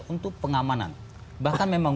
untuk pengamanan bahkan memang